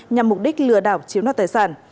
nhằm mục đích lừa đảo chiếm đoạt tài sản